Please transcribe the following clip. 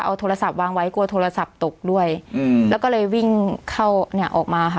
เอาโทรศัพท์วางไว้กลัวโทรศัพท์ตกด้วยอืมแล้วก็เลยวิ่งเข้าเนี่ยออกมาค่ะ